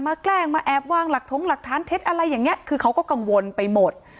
แกล้งมาแอบวางหลักถงหลักฐานเท็จอะไรอย่างนี้คือเขาก็กังวลไปหมด